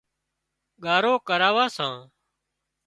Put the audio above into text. ڳارو ڪراوان سان